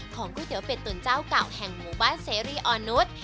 ก๋วยเตี๋ยเป็ดตุ๋นเจ้าเก่าแห่งหมู่บ้านเสรีอ่อนนุษย์